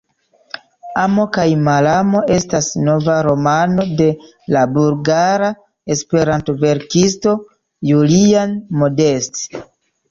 Amo kaj malamo estas nova romano de la bulgara Esperanto-verkisto Julian Modest.